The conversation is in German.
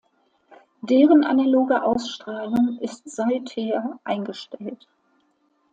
Deren analoge Ausstrahlung ist seither eingestellt.